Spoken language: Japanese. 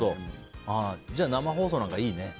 じゃあ生放送なんかいいね。